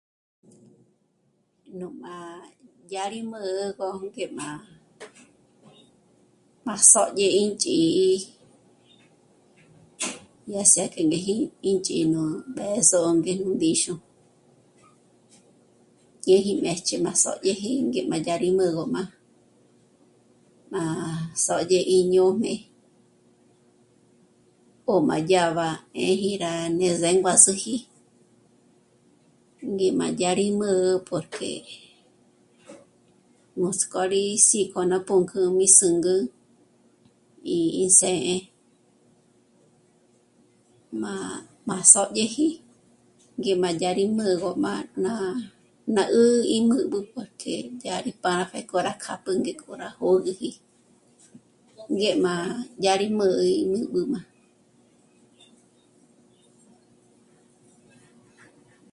Nú má dyá rí mä̂'ä gó ngé má... má sódye ínch'ǐ'i, dya sí'a ngé k'e ínch'ǐ'i nú b'ë́zo ngé nú ndíxu, dyéje gí mbéch'e má sódyeji ngé má yá gí mä̂gü má'a... má'a sódye íñó'm'é 'ó má dyáb'a 'ë́ji rá ne zénguazüji ngé ma yá rí mä́'ä porque nuts'k'ó rí sǐ'ko ná pǔnk'ü mí zǚngü ínsë́'ë, má..., má sódyeji ngé ma yá rí mä̂'ägö má ná... ná 'ë́'ä íngub'ü porque yá rí pjá'a pjéko rá kjápjü ngék'o rá kjâ'a jö̌güji, ngé má yá rí mä̂'ä í müb'üm'a